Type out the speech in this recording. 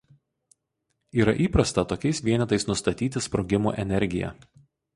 Yra įprasta tokiais vienetais nusakyti sprogimų energiją.